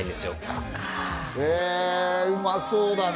そっかへえうまそうだね